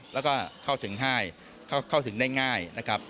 แล้วก็เข้าถึงง่ายเข้าถึงได้ง่ายนะครับ